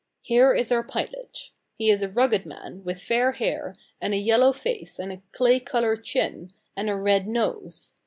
Here is our pilot. He is a rugged man, with fair hair, and a yellow face, and a clay coloured chin, and a red nose.